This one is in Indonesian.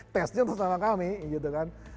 testnya sama kami gitu kan